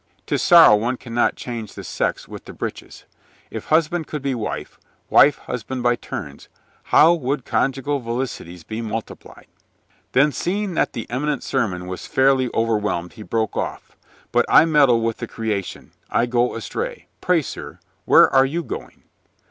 'Tis sorrow one can not change the sex with the breeches. If husband could be wife,, wife husband by turns, how would conjugal felicities be multiplied." Then, seeing that the imminent sermon was fairly over whelmed, he broke off. "But I meddle with the creation. I go astray. Pray, sir, where are you going?"